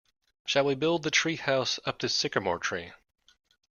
Shall we build the treehouse up this sycamore tree?